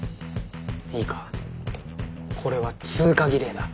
いいかこれは通過儀礼だ。